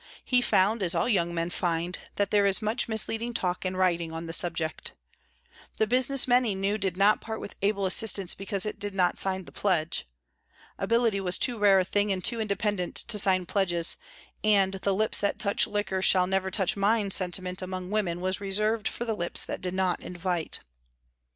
He found, as all young men find, that there is much misleading talk and writing on the subject. The business men he knew did not part with able assistance because it did not sign the pledge. Ability was too rare a thing and too independent to sign pledges, and the lips that touch liquor shall never touch mine sentiment among women was reserved for the lips that did not invite."